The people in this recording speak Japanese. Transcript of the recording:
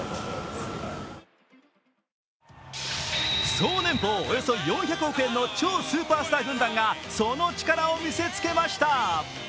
総年俸およそ４００億円の超スーパースター軍団がその力を見せつけました。